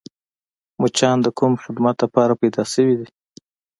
مچان د کوم خدمت دپاره پیدا شوي دي؟